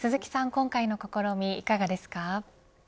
今回の試みいかがですか。